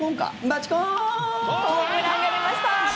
ホームランが出ました！